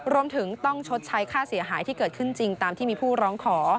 รวมถึงต้องชดใช้ค่าเสียหายที่เกิดขึ้นจริงตามที่มีผู้ร้องขอ